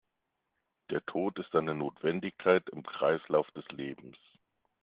Der Tod ist eine Notwendigkeit im Kreislauf des Lebens.